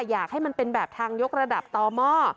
อยากให้มันเป็นแบบทางยกระดับต่อหม้อ